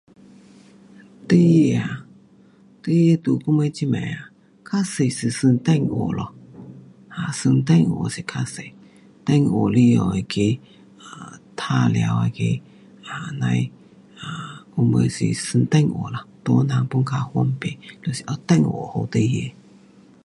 孩儿啊，孩儿在我们这边 um 较多是玩电话咯。um 玩电话是较多，电话里下的那个 um 玩耍那个 um 这样的，um 什么是玩手机咯。大人 pun 很方便，就是给电话给你，